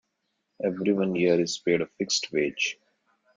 Everyone here is paid a fixed wage.